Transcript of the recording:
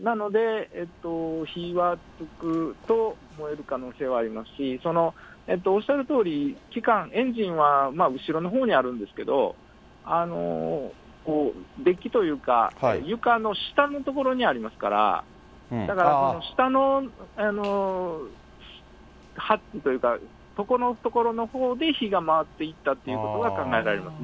なので、火はつくと燃える可能性はありますし、おっしゃるとおり、機関、エンジンは後ろのほうにあるんですけど、デッキというか、床の下の所にありますから、だからその下のハッチというか、底の所のほうで火が回っていったっていうことは考えられますね。